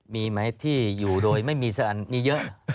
มีไหมที่อยู่โดยไม่มีมีเยอะ